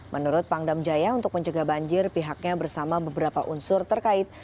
menurut pangdam jaya untuk mencegah banjir pihaknya bersama beberapa unsur terkait